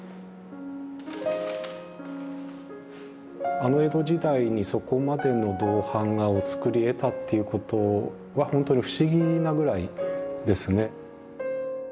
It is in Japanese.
あの江戸時代にそこまでの銅版画を作り得たっていうことは本当に不思議なぐらいですね。